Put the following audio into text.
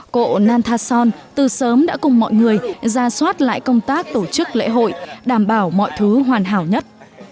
cộ na thason từ sớm đã cùng mọi người ra soát lại công tác tổ chức lễ hội đảm bảo mọi thứ hoàn hảo nhất